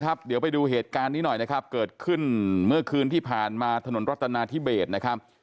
เดี๋ยวไปดูเหตุการณ์นี้หน่อยนะครับเกิดขึ้นเมื่อคืนที่ผ่านมาถนนรัตนาธิเบสนะครับ